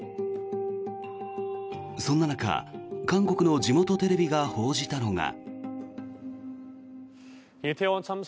そんな中、韓国の地元テレビが報じたのが。